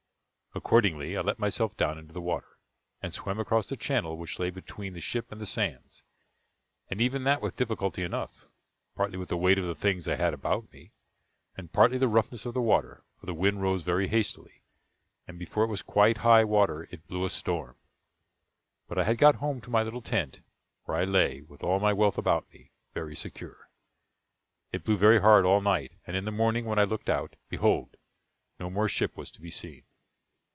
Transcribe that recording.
Accordingly, I let myself down into the water, and swam across the channel which lay between the ship and the sands, and even that with difficulty enough, partly with the weight of the things I had about me, and partly the roughness of the water; for the wind rose very hastily, and before it was quite high water it blew a storm. But I had got home to my little tent, where I lay, with all my wealth about me, very secure. It blew very hard all night, and in the morning, when I looked out, behold, no more ship was to be seen!